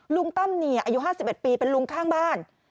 ตั้มเนี่ยอายุ๕๑ปีเป็นลุงข้างบ้าน